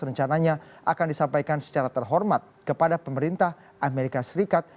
rencananya akan disampaikan secara terhormat kepada pemerintah amerika serikat